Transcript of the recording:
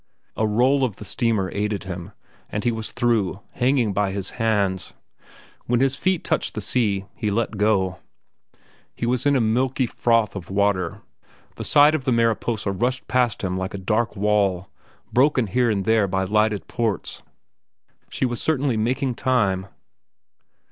A roll of the steamer aided him, and he was through, hanging by his hands. When his feet touched the sea, he let go. He was in a milky froth of water. The side of the Mariposa rushed past him like a dark wall, broken here and there by lighted ports. She was certainly making time.